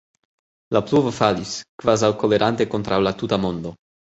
La pluvo falis, kvazaŭ kolerante kontraŭ la tuta mondo.